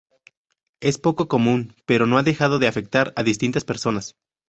Es poco común, pero no ha dejado de afectar a distintas personas.